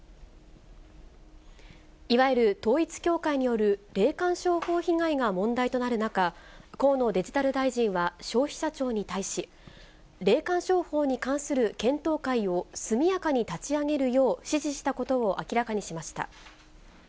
いわゆる統一教会による霊感商法被害が問題となる中、河野デジタル大臣は、消費者庁に対し、霊感商法に関する検討会を速やかに立ち上げるよう指示したことを明らかにしました。